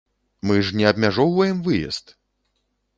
Мы ж не абмяжоўваем выезд!